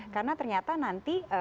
karena ternyata nanti